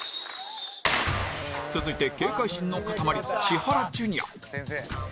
続いて警戒心の塊千原ジュニア